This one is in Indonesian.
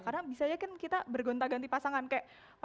karena bisa aja kan kita bergonta ganti pasangan kayak pacaran gitu kan ya